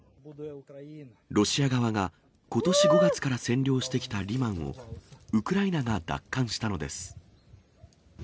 ロシア側がことし５月から占領してきたリマンを、ウクライナが奪還したのです。